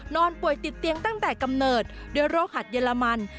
นอนป่วยติดเตียงตั้งแต่กำเนิดด้วยโรคหัดเยอรมัน